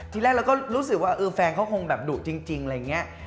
ทีแรกเราก็รู้สึกว่าแฟนเขาคงแบบดุจริงอะไรอย่างนี้